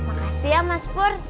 makasih ya mas pur